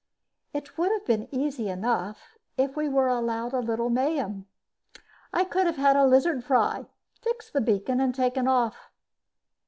It would have been easy enough if we were allowed a little mayhem. I could have had a lizard fry, fixed the beacon and taken off.